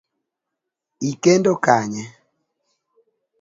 Ikendo Kanye?